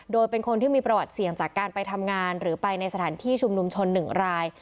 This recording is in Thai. โดยเป็นคนที่มีประวัติเสี่ยงจากการไปทำงานหรือไปในสถานที่ชุมนุมชน๑ราย